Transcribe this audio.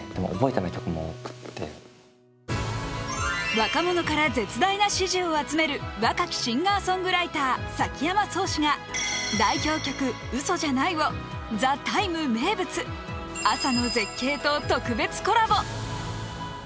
若者から絶大な支持を集める若きシンガーソングライター・崎山蒼志が代表曲「嘘じゃない」を「ＴＨＥＴＩＭＥ，」名物、朝の絶景と特別コラボ。